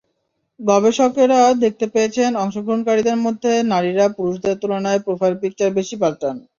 গবেষকেরা দেখতে পেয়েছেন, অংশগ্রহণকারীদের মধ্যে নারীরা পুরুষদের তুলনায় প্রোফাইল পিকচার বেশি পাল্টান।